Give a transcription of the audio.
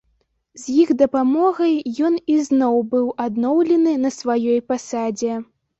З іх дапамогай ён ізноў быў адноўлены на сваёй пасадзе.